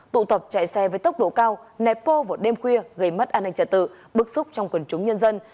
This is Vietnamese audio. tụ tập chạy xe với tốc độ cao nẹt bô vào đêm khuya gây mất an ninh trả tự bức xúc trong quần chúng nhân dân